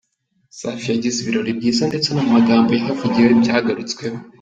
Safi yagize ibirori byiza ndetse no mu magambo yahavugiwe byagarutsweho.